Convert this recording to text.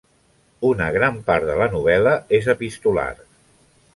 Una gran part de la novel·la és epistolar.